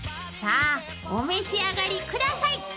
［さあお召し上がりください！］